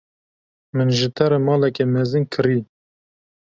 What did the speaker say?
Min ji te re maleke mezin kirî.